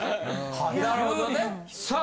・なるほどねさあ